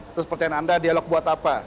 terus pertanyaan anda dialog buat apa